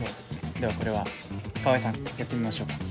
ではこれは川合さんやってみましょうか。